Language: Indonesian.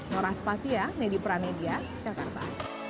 norah spasi ya nedi pranedia jakarta